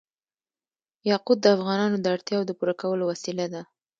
یاقوت د افغانانو د اړتیاوو د پوره کولو وسیله ده.